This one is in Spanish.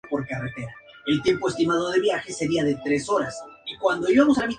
Sin embargo, Coulthard logró ganar en Monza.